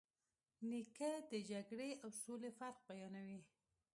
نیکه د جګړې او سولې فرق بیانوي.